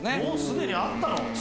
もうすでにあったの？